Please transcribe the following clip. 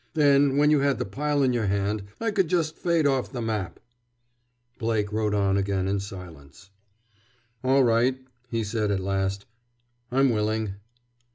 Then, when you had the pile in your hand, I could just fade off the map." Blake rode on again in silence. "All right," he said at last. "I'm willing."